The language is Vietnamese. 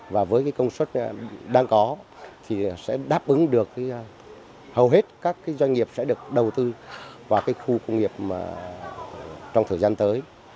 và với công suất đang có thì sẽ đáp ứng được hầu hết các doanh nghiệp sẽ được đầu tư vào khu công nghiệp trong thời gian tới